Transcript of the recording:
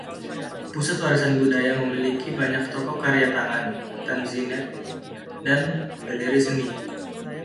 Pusat Warisan Budaya memiliki banyak toko karya tangan, Tanzanite, dan galeri seni.